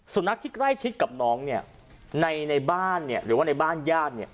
สุนัขที่ใกล้ชิดกับน้องเนี่ยในบ้านเนี่ยหรือว่าในบ้านญาติเนี่ย